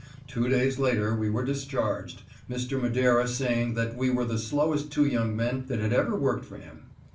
Two days later we were discharged, Mr. Madera saying that we were the slowest two young men that had ever worked for him.